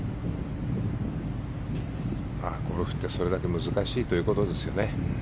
ゴルフってそれだけ難しいということですよね。